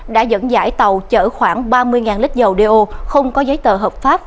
đã dẫn dãi tàu chở khoảng ba mươi lít dầu đeo không có giấy tờ hợp pháp